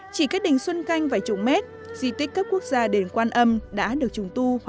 chỉ cách đình xuân canh vài chục mét di tích cấp quốc gia đền quan âm đã được trùng tu